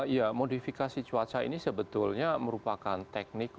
ya modifikasi cuaca ini sebetulnya merupakan teknik